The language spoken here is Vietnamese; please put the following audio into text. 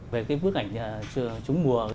về cái bức ảnh trúng mùa